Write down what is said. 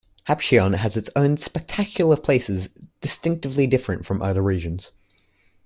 Hapcheon has its own spectacular places distinctively different from other regions.